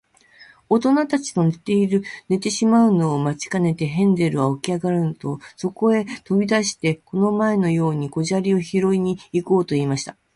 おとなたちの寝てしまうのを待ちかねて、ヘンゼルはおきあがると、そとへとび出して、この前のように小砂利をひろいに行こうとしました。